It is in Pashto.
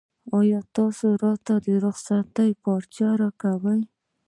ایا تاسو راته د رخصتۍ پارچه راکوئ؟